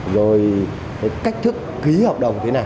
rồi cái cách thức ký hợp đồng thế nào